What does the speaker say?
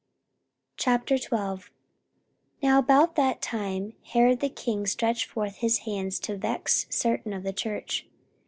44:012:001 Now about that time Herod the king stretched forth his hands to vex certain of the church.